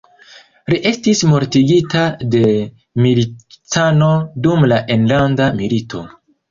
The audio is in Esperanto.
Li estis mortigita de milicanoj dum la enlanda milito.